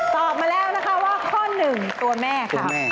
ตอบมาแล้วนะคะว่าข้อหนึ่งตัวแม่ค่ะ